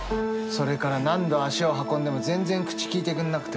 それから何度足を運んでも全然口きいてくんなくてさ。